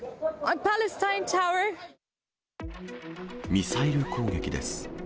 ミサイル攻撃です。